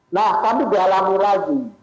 nah kami dialami lagi